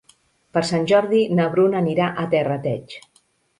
Per Sant Jordi na Bruna anirà a Terrateig.